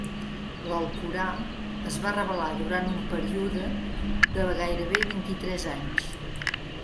L'Alcorà es va revelar durant un període de gairebé vint-i-tres anys.